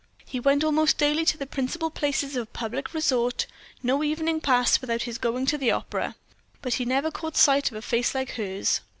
He went almost daily to the principal places of public resort; no evening passed without his going to the opera, but he never caught sight of a face like hers.